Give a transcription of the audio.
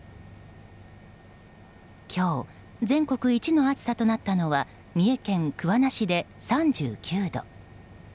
今日、全国一の暑さとなったのは三重県桑名市で３９度。